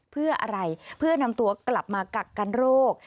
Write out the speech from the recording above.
เพื่ออะไรเพื่อนำตัวกลับมากักกันโรค